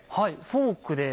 フォークで。